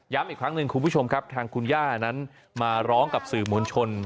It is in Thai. อีกครั้งหนึ่งคุณผู้ชมครับทางคุณย่านั้นมาร้องกับสื่อมวลชน